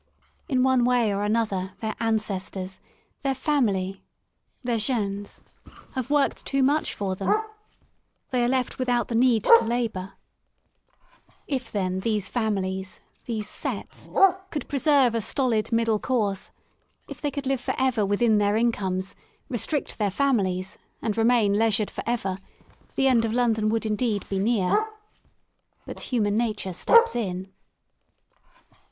In one way or another their ancestors, their family, their gens^ have worked too much for them : they are left without the need to ii8 LONDON AT LEISURE labour* If, then, these familiesj these *'sets," could pre serve a stolid middle course, tf they could live for ever within their incomes, restrict their familiesj and remain leisured for ever, the end of London would indeed be near. But human nature steps in.